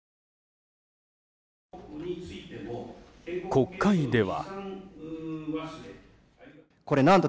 国会では。